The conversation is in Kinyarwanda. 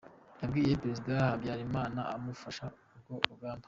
Yabwiye Perezida Habyarimana abamufasha urwo rugamba.